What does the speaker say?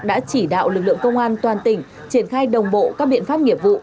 đã chỉ đạo lực lượng công an toàn tỉnh triển khai đồng bộ các biện pháp nghiệp vụ